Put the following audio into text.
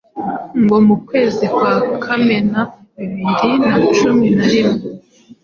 ngo mu kwezi kwa Kamena bibiri na cumi narimwe